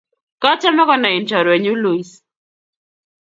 Kachame konain chorwenyu Luis